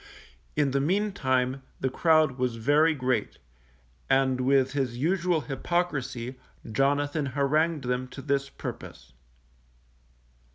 In the meantime the crowd was very great, and, with his usual hypocrisy, Jonathan harangued them to this purpose.